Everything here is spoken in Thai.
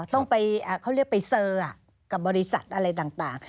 ต้องไปเขาเรียกไปเซอร์กับบริษัทอะไรต่าง